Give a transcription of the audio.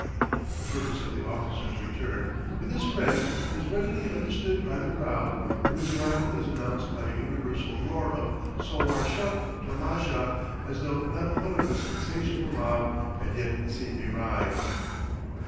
The purpose of the officer's return, with his friends, is readily understood by the crowd, and his arrival is announced by a universal roar of "Sowar shuk! tomasha!" as though not one of this insatiable mob had yet seen me ride.